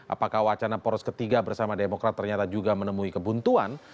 apakah wacana poros ketiga bersama demokrat ternyata juga menemui kebuntuan